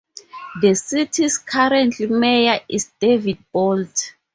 The city's current mayor is David Bolt.